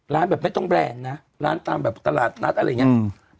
แบบไม่ต้องแบรนด์นะร้านตามแบบตลาดนัดอะไรอย่างเงี้อืม